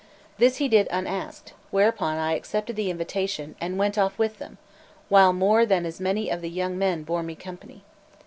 This he did unasked; whereupon I accepted the invitation, and went off with them, while more than as many of the young men bore me company.